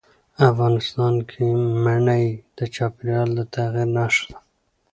افغانستان کې منی د چاپېریال د تغیر نښه ده.